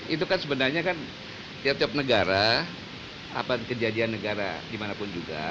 itu kan sebenarnya kan tiap tiap negara apa kejadian negara dimanapun juga